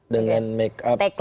dengan make up